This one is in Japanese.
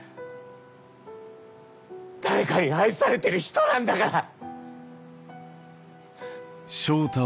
誰かに愛されてる人なんだから。